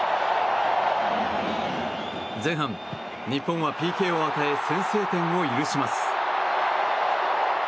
前半日本はＰＫを与え先制点を許します。